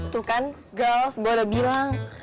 tuh kan girls gue udah bilang